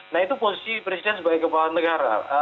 nah itu posisi presiden sebagai kepala negara